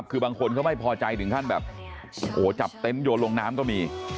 คือบางคนเขาไม่พอใจถึงขั้นแบบโอ้โหจับเต็นต์โยนลงน้ำก็มี